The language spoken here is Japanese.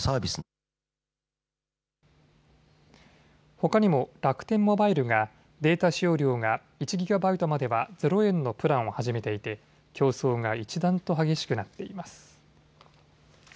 ほかにも楽天モバイルがデータ使用量が１ギガバイトまではゼロ円のプランを始めていて競争が一段と激しくなっています。